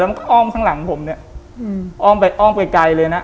แล้วก็อ้อมข้างหลังผมเนี่ยอ้อมไปอ้อมไปไกลเลยนะ